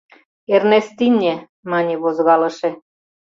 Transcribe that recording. — Эрнестине, — мане возгалыше.